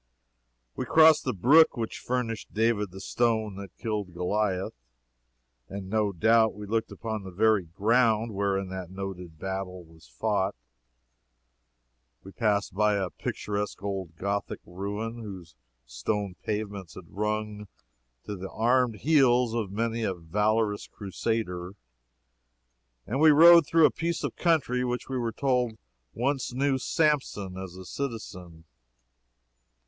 We crossed the brook which furnished David the stone that killed Goliah, and no doubt we looked upon the very ground whereon that noted battle was fought. We passed by a picturesque old gothic ruin whose stone pavements had rung to the armed heels of many a valorous Crusader, and we rode through a piece of country which we were told once knew Samson as a citizen.